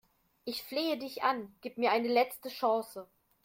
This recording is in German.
Ich flehe dich an, gib mir eine letzte Chance!